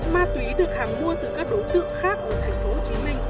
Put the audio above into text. ma túy được hằng mua từ các đối tượng khác ở tp hcm